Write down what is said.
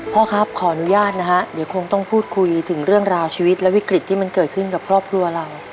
พ่อครับขออนุญาตนะฮะเดี๋ยวคงต้องพูดคุยถึงเรื่องราวชีวิตและวิกฤตที่มันเกิดขึ้นกับครอบครัวเรา